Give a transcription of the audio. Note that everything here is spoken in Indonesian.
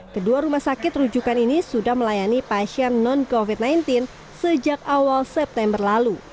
kedua rumah sakit rujukan ini sudah melayani pasien non covid sembilan belas sejak awal september lalu